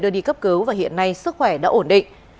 đưa đi cấp cứu và hiện nay sức khỏe đã ổn định